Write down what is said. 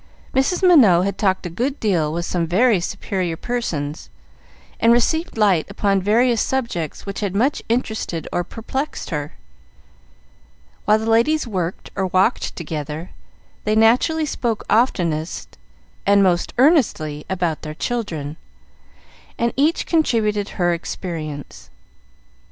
Mrs. Minot had talked a good deal with some very superior persons, and received light upon various subjects which had much interested or perplexed her. While the ladies worked or walked together, they naturally spoke oftenest and most earnestly about their children, and each contributed her experience. Mrs.